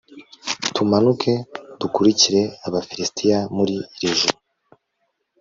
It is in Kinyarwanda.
tumanuke dukurikire abafilisiti muri iri joro